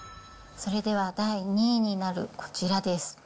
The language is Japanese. それでは第２位になるこちらです。